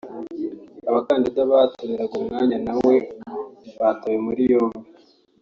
Abakandida bahataniraga umwanya na we batawe muri yombi